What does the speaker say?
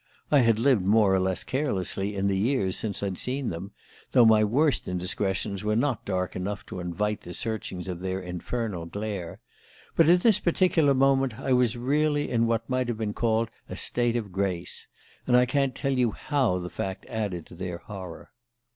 I had lived more or less carelessly in the years since I'd seen them, though my worst indiscretions were not dark enough to invite the searchings of their infernal glare; but at this particular moment I was really in what might have been called a state of grace; and I can't tell you how the fact added to their horror